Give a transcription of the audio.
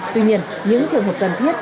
tuy nhiên những trường hợp cần thiết